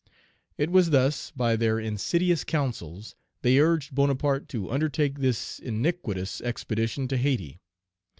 It was thus, by their insidious counsels, they urged Bonaparte to undertake this iniquitous expedition to Hayti.